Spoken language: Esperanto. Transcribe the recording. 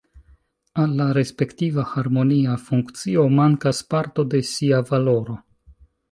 Al la respektiva harmonia funkcio mankas parto de sia valoro.